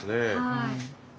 はい。